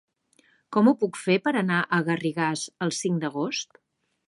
Com ho puc fer per anar a Garrigàs el cinc d'agost?